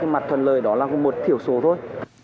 mặt thuần lời đó là một thiểu số thôi